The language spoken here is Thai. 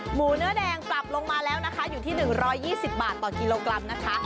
หมูเนื้อแดงปรับลงมาแล้วนะคะอยู่ที่๑๒๐บาทต่อกิโลกรัมนะคะ